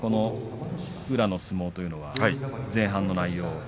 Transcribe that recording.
宇良の相撲というのは前半の内容